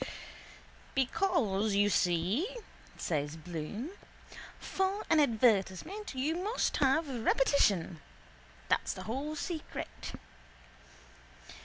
—Because, you see, says Bloom, for an advertisement you must have repetition. That's the whole secret.